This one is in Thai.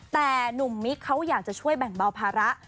แต่หนุ่มมิกเขาอยากจะช่วยแบ่งเบาภาระ